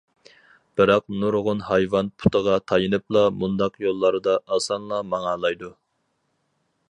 بىراق نۇرغۇن ھايۋان پۇتىغا تايىنىپلا مۇنداق يوللاردا ئاسانلا ماڭالايدۇ.